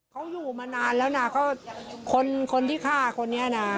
เขาอยู่มานานแล้วนะเขาคนที่ฆ่าคนนี้นะ